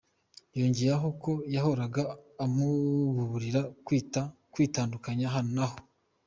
Yongeraho ko yahoraga amuburira kwitandukanya nako.